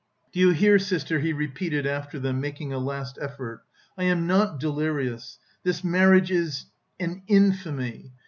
"Do you hear, sister," he repeated after them, making a last effort, "I am not delirious; this marriage is an infamy.